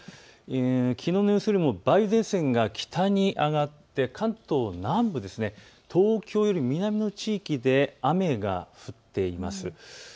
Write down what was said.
きのうの様子よりも梅雨前線が北に上がって関東南部、東京より南の地域で雨が降っています。